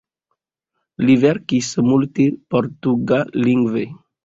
Li verkis multe portugallingve.